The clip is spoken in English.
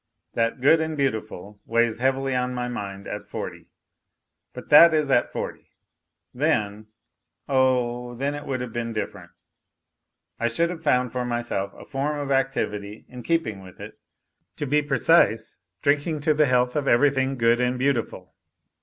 That " good and beautiful " weighs heavily on my mind at forty. But that is at forty ; then oh, then it would have been different ! I should have found for myself a form of activity in keeping with it, to be pre cise, drinking to the health of everything " good and beautiful."